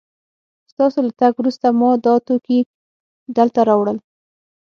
ستاسو له تګ وروسته ما دا توکي دلته راوړل